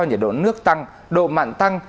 nhiệt độ nước tăng độ mặn tăng